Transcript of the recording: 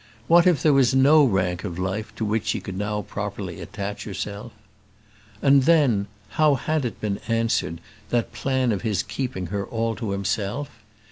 What if there was no rank of life to which she could now properly attach herself? And then, how had it answered, that plan of his of keeping her all to himself?